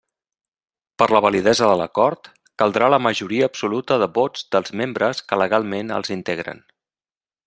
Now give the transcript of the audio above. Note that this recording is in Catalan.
Per a la validesa de l'acord caldrà la majoria absoluta de vots dels membres que legalment els integren.